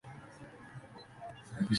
Finalmente firmó con Next Model Management.